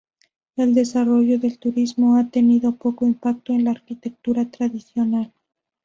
El desarrollo del turismo ha tenido poco impacto en la arquitectura tradicional.